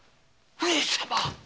上様。